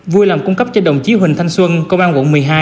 vui làm cung cấp cho đồng chí huỳnh thanh xuân công an quận một mươi hai